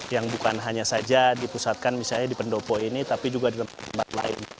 yang bukan hanya saja dipusatkan misalnya di pendopo ini tapi juga di tempat tempat lain